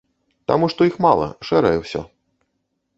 Таму што іх мала, шэрае ўсё.